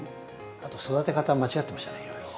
あと育て方間違ってましたねいろいろ。